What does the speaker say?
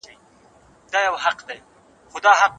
څېړنه تر عادي لیکنې ډېر دقت غواړي.